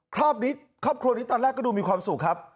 ครอบครัวนี้ตอนแรกก็ดูมีความสุขครับ